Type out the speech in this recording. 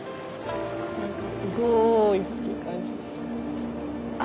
すごいっていう感じ。